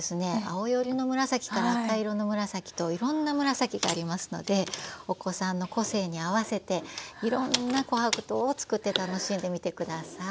青よりの紫から赤色の紫といろんな紫がありますのでお子さんの個性に合わせていろんな琥珀糖を作って楽しんでみて下さい。